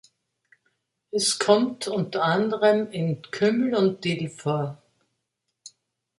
Es kommt unter anderem in Kümmel und Dill vor.